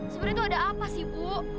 sebenernya tuh ada apa sih bu